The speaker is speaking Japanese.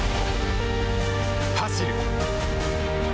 走る。